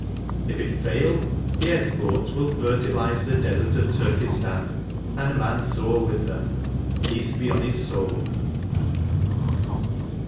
If it fail, the escort will fertilize the desert of Turkestan, and Mansur with them, peace be on his soul."